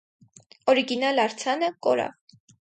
Օրիգինալ արձանը կորավ։